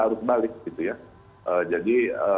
arus balik gitu ya jadi